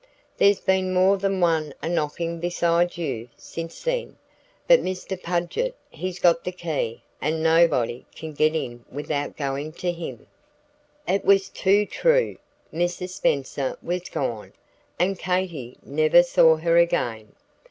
There's been more than one a knocking besides you, since then. But Mr. Pudgett, he's got the key, and nobody can get in without goin' to him." It was too true. Mrs. Spenser was gone, and Katy never saw her again.